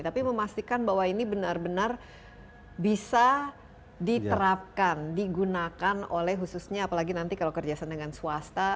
tapi memastikan bahwa ini benar benar bisa diterapkan digunakan oleh khususnya apalagi nanti kalau kerjasama dengan swasta